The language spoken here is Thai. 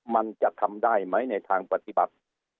มันจะทำได้ไหมในทางปฏิบัติ